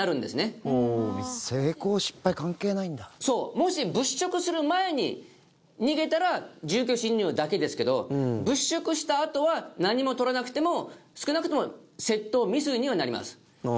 もし物色する前に逃げたら住居侵入だけですけど物色したあとは何も取らなくても少なくとも窃盗未遂にはなります。